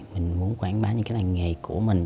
mình muốn quảng bá những cái làng nghề của mình